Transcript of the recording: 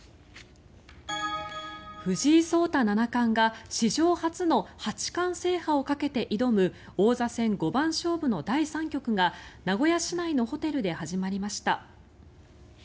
藤井聡太七冠が史上初の八冠制覇をかけて挑む王座戦五番勝負の第３局が名古屋市内のホテルで始まりました。